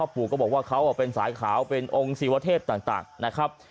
ปู่ก็บอกว่าเขาเป็นสายขาวเป็นองค์ศิวเทพต่างนะครับ